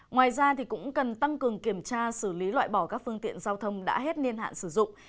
ngoài ra cũng cần tăng cường kiểm tra xử lý loại bỏ các phương tiện giao thông đã hết niên hạn sử dụng